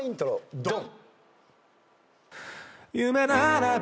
ドン！